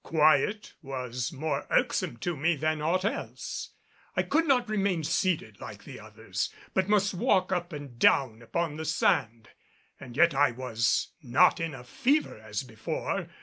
Quiet was more irksome to me than aught else. I could not remain seated like the others but must walk up and down upon the sand. And yet I was not in a fever as before.